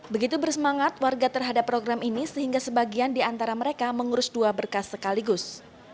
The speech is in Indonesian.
begitu bersemangat warga terhadap program ini sehingga sebagian di antara mereka mengurus dua berkas sekaligus